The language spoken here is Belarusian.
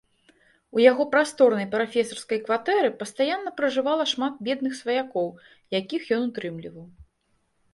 У яго прасторнай прафесарскай кватэры пастаянна пражывала шмат бедных сваякоў, якіх ён утрымліваў.